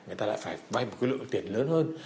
người ta lại phải vay một cái lượng tiền lớn hơn